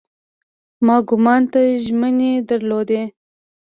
ما ګوند ته ژمنې درلودې.